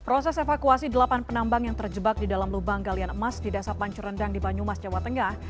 proses evakuasi delapan penambang yang terjebak di dalam lubang galian emas di desa pancurendang di banyumas jawa tengah